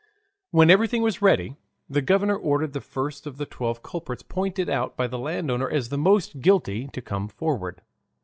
When everything was ready, the governor ordered the first of the twelve culprits pointed out by the landowner as the most guilty to come forward.